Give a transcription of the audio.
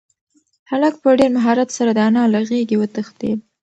هلک په ډېر مهارت سره د انا له غېږې وتښتېد.